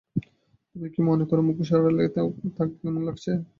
তুমি কি মনে কর মুখোশের আড়ালে তাকে কেমন লাগছে?